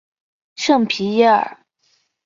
圣皮耶尔。